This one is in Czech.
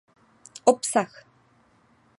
Obsah